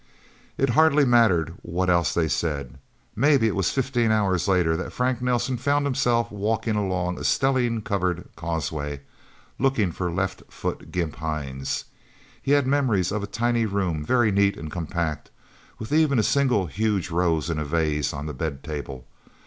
It hardly mattered what else they said. Maybe it was fifteen hours later that Frank Nelsen found himself walking along a stellene covered causeway, looking for Left Foot Gimp Hines. He had memories of a tiny room, very neat and compact, with even a single huge rose in a vase on the bed table.